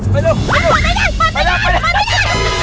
เปิดไม่ได้